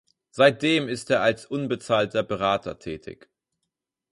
Seitdem ist er als unbezahlter Berater tätig.